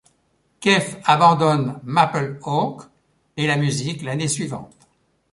Quaife abandonne Maple Oak et la musique l'année suivante.